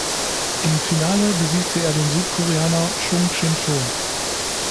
Im Finale besiegte er den Südkoreaner Chung Shin-cho.